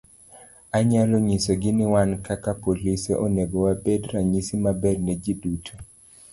Anyalo nyisogi ni wan kaka polise onego wabed ranyisi maber ne ji duto.